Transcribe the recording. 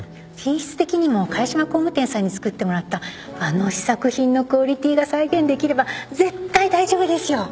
品質的にも萱島工務店さんに作ってもらったあの試作品のクオリティーが再現できれば絶対大丈夫ですよ。